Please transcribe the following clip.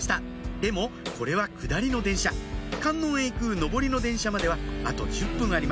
でもこれは下りの電車観音へ行く上りの電車まではあと１０分あります